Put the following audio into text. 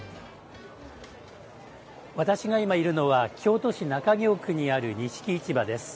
私が今いるのは京都市中京区にある錦市場です。